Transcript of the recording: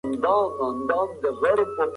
آیا صلیبي جنګونه مذهبي وو؟